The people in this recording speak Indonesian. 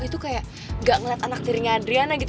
itu kayak gak ngeliat anak tirinya adriana gitu